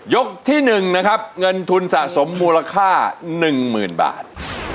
ที่๑นะครับเงินทุนสะสมมูลค่า๑๐๐๐บาท